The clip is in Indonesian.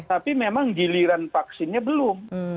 tapi memang giliran vaksinnya belum